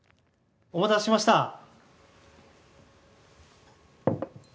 お待たせしました。